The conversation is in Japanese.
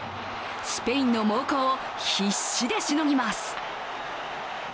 スペインの猛攻を必死でしのぎます。